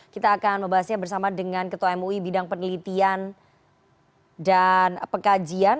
kita akan membahasnya bersama dengan ketua mui bidang penelitian dan pekajian